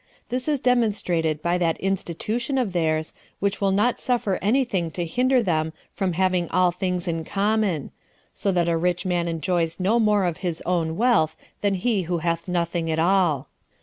This is demonstrated by that institution of theirs, which will not suffer any thing to hinder them from having all things in common; so that a rich man enjoys no more of his own wealth than he who hath nothing at all.